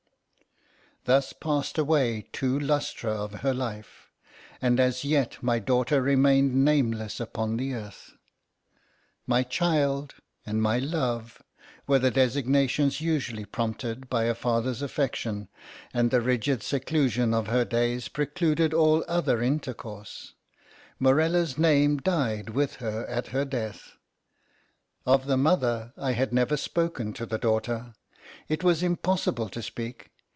Thus passed away two lustra of her life, and as yet my daughter remained nameless upon the earth. "My child," and "my love," were the designations usually prompted by a father's affection, and the rigid seclusion of her days precluded all other intercourse. Morella's name died with her at her death. Of the mother I had never spoken to the daughter;—it was impossible to speak.